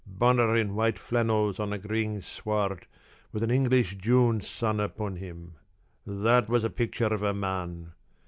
Bonner in white flannels on the green sward with an English June sun upon him. That was a picture of a man!